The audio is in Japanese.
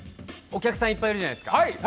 お客さんいっぱいいるじゃないですか。